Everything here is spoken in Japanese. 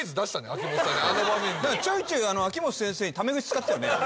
秋元さんにちょいちょい秋元先生にタメ口使ってたよね？